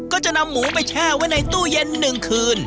ก็จะนำหมูไปแช่ไว้ในตู้เย็น๑คืน